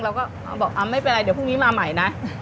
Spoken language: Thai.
เราก็บอกไม่เป็นไรเดี๋ยวพรุ่งนี้มาใหม่นะ